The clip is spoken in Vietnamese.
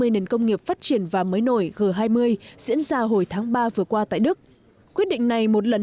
ba mươi nền công nghiệp phát triển và mới nổi g hai mươi diễn ra hồi tháng ba vừa qua tại đức quyết định này một lần